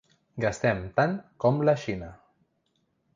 Gastem tant com la Xina.